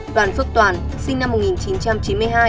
đoàn phước toàn sinh năm một nghìn chín trăm chín mươi hai